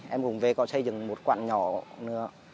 em cũng về có xây dựng một quận nhỏ nữa